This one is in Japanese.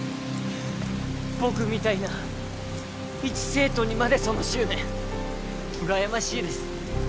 僕みたいな一生徒にまでその執念羨ましいです